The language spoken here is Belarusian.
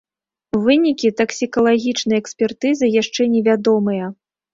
Вынікі таксікалагічнай экспертызы яшчэ невядомыя.